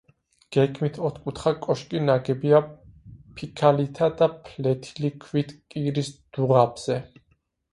გეგმით ოთხკუთხა კოშკი ნაგებია ფიქალითა და ფლეთილი ქვით კირის დუღაბზე.